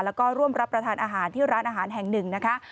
แล้วก็ร่วมรับประทานอาหารที่ร้านอาหารแห่งหนึ่งนะคะ